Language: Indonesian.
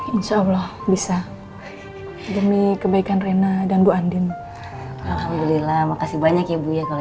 insya allah bisa demi kebaikan rena dan bu andin alhamdulillah makasih banyak ya bu ya kalau